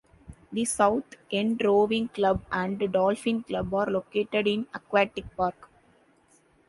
The South End Rowing Club and Dolphin Club are located in Aquatic Park.